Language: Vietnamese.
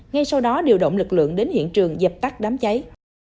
ngay sau đó điều động lực lượng đến hiện trường dập tắt đám cháy